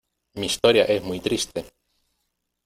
¡ mi historia es muy triste!